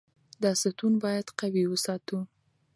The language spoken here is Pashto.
دا ستون باید قوي وساتو.